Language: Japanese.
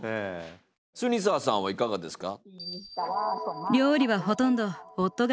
スニサーさんはいかがですか？